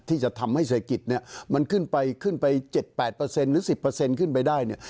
ที่จะทำให้เศรษฐกิจเนี่ยมันขึ้นไป๗๘เปอร์เซ็นต์หรือ๑๐เปอร์เซ็นต์ขึ้นไปได้เนี่ย